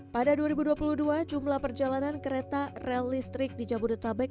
pada dua ribu dua puluh dua jumlah perjalanan kereta rel listrik di jabodetabek